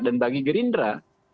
dan bagi gerindra